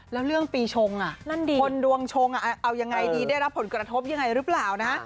แล้วเรื่องปีชงคนดวงชงเอายังไงดีได้รับผลกระทบยังไงหรือเปล่านะ